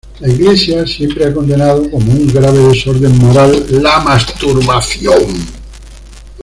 La Iglesia siempre ha condenado como un grave desorden moral la masturbación.